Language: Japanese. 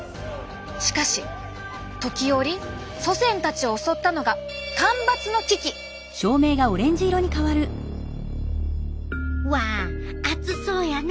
しかし時折祖先たちを襲ったのがうわ暑そうやな。